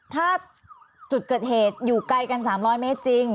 ถ้าจุดเกิดเหตุอยู่ไกลกัน๓๐๐เมตรจริง